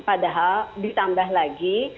padahal ditambah lagi